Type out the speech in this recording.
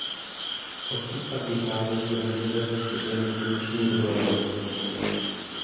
Odsud pak vycházejí jednotlivé výstupy na uliční úroveň.